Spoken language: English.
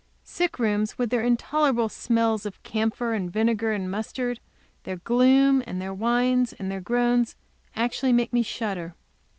Sick rooms with their intolerable smells of camphor, and vinegar and mustard, their gloom and their whines and their groans, actually make me shudder.